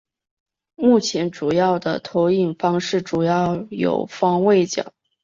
目前主要的投影方式主要有方位角。